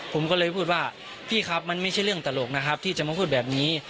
ผมก็เลยพูดว่าพี่ครับมันไม่ใช่เรื่องตลกนะครับที่จะมาพูดแบบนี้